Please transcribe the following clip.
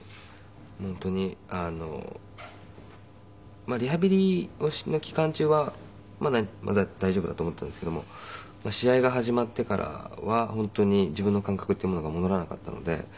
本当にリハビリの期間中はまだ大丈夫だと思ったんですけども試合が始まってからは本当に自分の感覚っていうものが戻らなかったので。